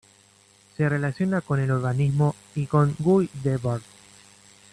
Se relaciona con el urbanismo y con Guy Debord.